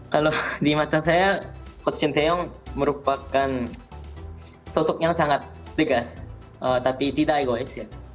kalau di mata saya coach shin taeyong merupakan sosok yang sangat tegas tapi tidak egois ya